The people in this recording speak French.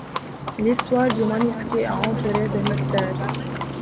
L'histoire du manuscrit est entourée de mystère.